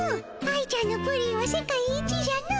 愛ちゃんのプリンは世界一じゃの。